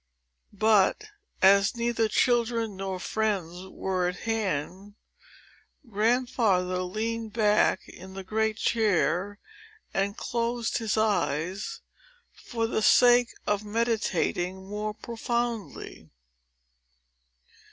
But, as neither children nor friends were at hand, Grandfather leaned back in the great chair, and closed his eyes, for the sake of meditating more profoundly.